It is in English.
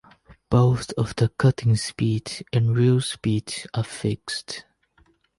Both the cutting speed and reel speed are fixed.